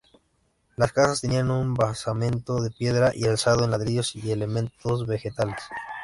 Las casas tenían un basamento de piedra y alzado de ladrillos y elementos vegetales.